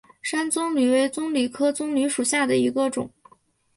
山棕榈为棕榈科棕榈属下的一个种。